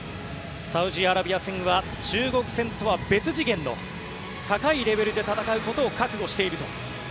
サウジアラビア戦は中国戦とは別次元の高いレベルで戦うことを覚悟していると。